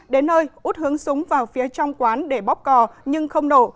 đến nơi út hướng súng vào phía trong quán để bóc cò nhưng không nổ